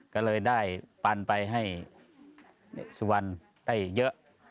ก็เลยได้ปันไปให้สุวรรณได้เยอะ